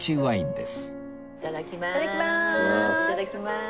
いただきます。